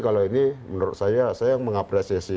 kalau ini menurut saya saya yang mengapresiasi